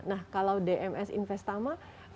nah kalau dms investama